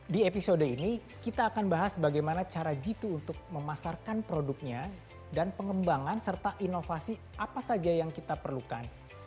di episode ini kita akan bahas bagaimana cara g dua untuk memasarkan produknya dan pengembangan serta inovasi apa saja yang kita perlukan